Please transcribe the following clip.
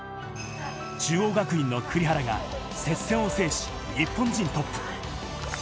中央学院の栗原が接戦を制し、日本人トップ。